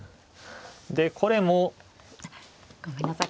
でこれも。ごめんなさい。